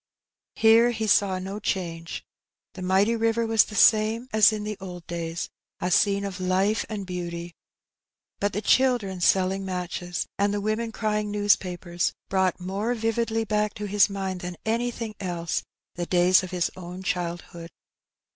Here he saw no change The mighty river was the same as in the old days, a scene of life and beauty. But the children selling matches and the women crying newspapers brought more The Reward of Well doing. 281 vividly back to his mind than anything else the days of his own childhood.